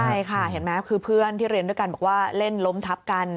ใช่ค่ะเห็นไหมคือเพื่อนที่เรียนด้วยกันบอกว่าเล่นล้มทับกัน